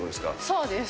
そうです。